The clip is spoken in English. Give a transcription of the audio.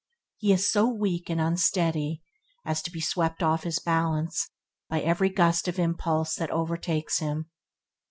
He is so weak and unsteady as to be swept off his balance by every gust of impulse that overtakes him.